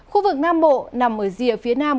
khu vực nam bộ nằm ở rìa phía nam